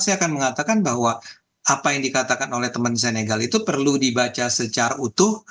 saya akan mengatakan bahwa apa yang dikatakan oleh teman senegal itu perlu dibaca secara utuh